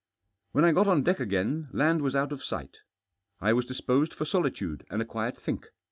When I got on deck again land was out of sight : I was dispose} for ^olityde and a quiet think.